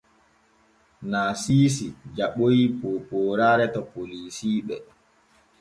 Naasiisi jaɓoy poopooraare to polisiiɓe.